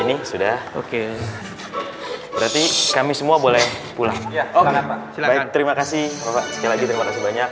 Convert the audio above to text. ini sudah oke berarti kami semua boleh pulang ya oh terima kasih sekali terima kasih banyak